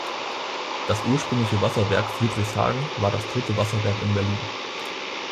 Das ursprüngliche Wasserwerk Friedrichshagen war das dritte Wasserwerk in Berlin.